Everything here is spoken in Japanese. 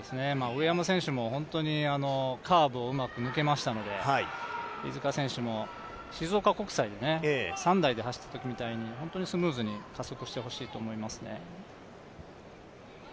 上山選手も、カーブをうまく抜けましたので、飯塚選手も静岡国際で３台で走ったときみたいにスムーズに加速してほしいと思いますね。